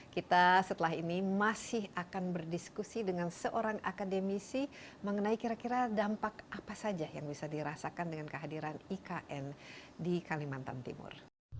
kita setelah ini masih akan berdiskusi dengan seorang akademisi mengenai kira kira dampak apa saja yang bisa dirasakan dengan kehadiran ikn di kalimantan timur